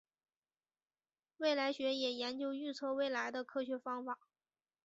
未来学也研究预测未来的科学方法。